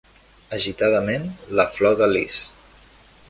Agitadament, la flor de lis.